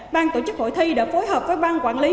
ban tổ chức hội thi đã phối hợp với ban quản lý